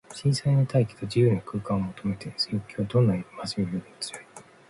新鮮な大気と自由な空間とを求めるかれの欲求は、どんな憎しみよりも強い。